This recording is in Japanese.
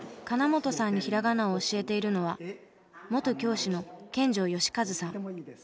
金本さんにひらがなを教えているのは元教師の見城慶和さん。